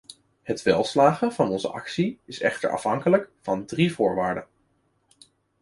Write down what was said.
Het welslagen van onze actie is echter afhankelijk van drie voorwaarden.